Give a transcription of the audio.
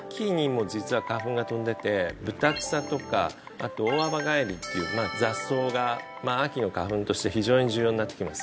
ただブタクサとかあとオオアワガエリっていう雑草が秋の花粉として非常に重要になってきます